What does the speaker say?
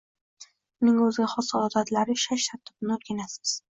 Uning oʻziga xos odatlari, ishlash tartibini oʻrganasiz